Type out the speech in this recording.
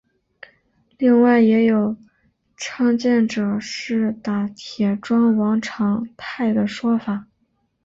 另外也有倡建者是打铁庄王长泰的说法。